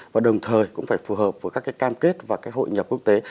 và đồng thời cũng phải phù hợp với các cái cam kết và cái hội nhập quốc tế